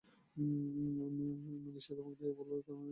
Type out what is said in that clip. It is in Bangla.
মিলিশিয়া ধমক দিয়ে গেল, মানে মানে সরে না পড়লে খাবে গুলি।